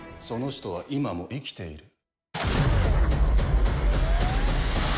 その人は今も生きている。